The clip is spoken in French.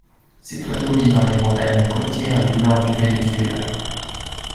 Cet oiseau vit dans les montagnes côtières du nord du Venezuela.